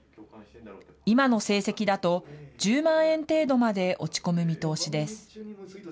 今の成績だと、１０万円程度まで落ち込む見通しです。